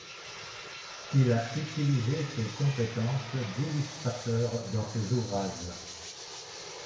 Il a utilisé ses compétences d'illustrateur dans ses ouvrages.